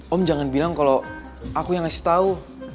om jangan bilang kalau aku yang ngasih tau